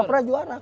gak pernah juara